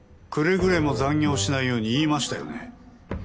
くれぐれも残業しないように言いましたよね？